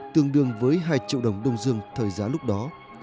tương đương với hai triệu đồng đông dương thời giá lúc đó